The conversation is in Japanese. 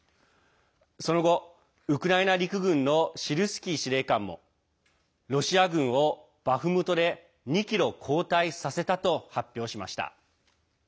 その後、ウクライナ陸軍のシルスキー司令官も、ロシア軍をバフムトで２ｋｍ後退させたと発表しました。